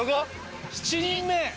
７人目。